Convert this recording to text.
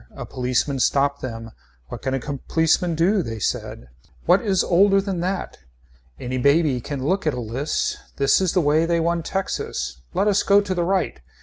A policeman stopped them. What can a policeman do, they said. What is older than that. Any baby can look at a list. This is the way they won Texas Let us go to the right.